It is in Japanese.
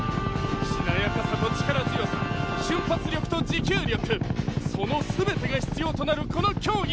しなやかさと力強さ瞬発力と持久力その全てが必要となるこの競技。